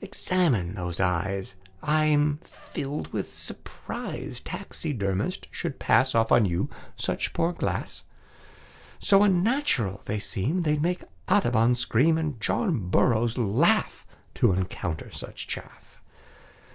"Examine those eyes. I'm filled with surprise Taxidermists should pass Off on you such poor glass; So unnatural they seem They'd make Audubon scream, And John Burroughs laugh To encounter such chaff.